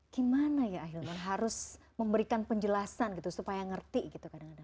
gimana ya ahilman harus memberikan penjelasan gitu supaya ngerti gitu kadang kadang